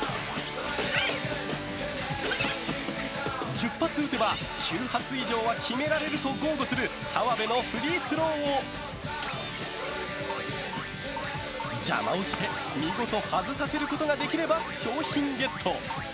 １０発打てば９発以上は決められると豪語する澤部のフリースローを邪魔をして見事外させることができれば賞品ゲット！